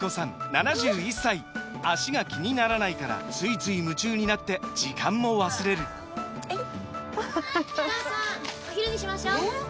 ７１歳脚が気にならないからついつい夢中になって時間も忘れるお母さんお昼にしましょうえー